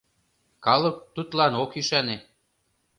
Калык тудлан ок ӱшане.